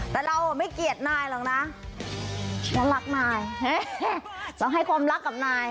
แต่เราไม่เกลียดนายหรอกนะฉันรักนายต้องให้ความรักกับนาย